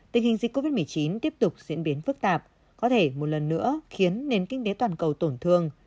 tình hình dịch covid một mươi chín tiếp tục diễn biến phức tạp có thể một lần nữa khiến nền kinh tế toàn cầu tổn thương